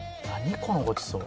このごちそう」